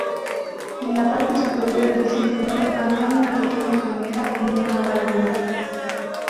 En la parte superior del cilindro había una pequeña manguera y una válvula.